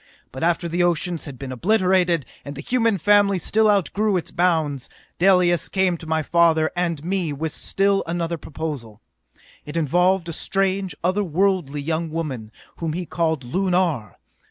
But after the oceans had been obliterated, and the human family still outgrew its bounds, Dalis came to my father and me with still another proposal. It involved a strange, other worldly young woman whom he called Lunar!